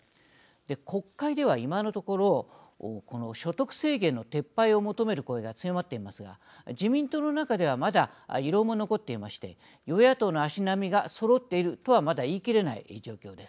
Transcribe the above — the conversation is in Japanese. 国会では今のところこの所得制限の撤廃を求める声が強まっていますが自民党の中ではまだ異論も残っていまして与野党の足並みがそろっているとはまだ言い切れない状況です。